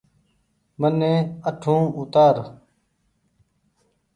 مني اٺون اوتآر ۔